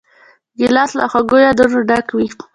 ګیلاس له خوږو یادونو ډک وي.